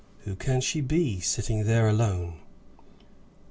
"Who can she be, sitting there alone?"